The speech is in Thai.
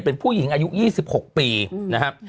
เป็นผู้หญิงอายุ๒๖ปีนะครับ